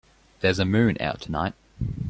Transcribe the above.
There's a moon out tonight.